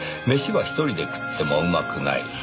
飯は一人で食ってもうまくない。